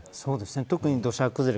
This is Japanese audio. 特に土砂崩れ